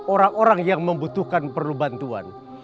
orang orang yang membutuhkan perubahan tuhan